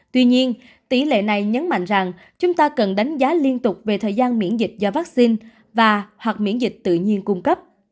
tuy nhiên tỷ lệ này nhấn mạnh rằng chúng ta cần đánh giá liên tục về thời gian miễn dịch do vaccine và hoặc miễn dịch tự nhiên cung cấp